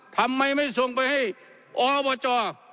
ทำไมไม่ส่งไปให้อบจ